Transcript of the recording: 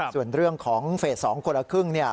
ส่วนเรื่องของเฟส๒คนละครึ่ง